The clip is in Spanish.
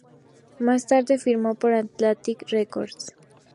Más tarde firmó por Atlantic Records.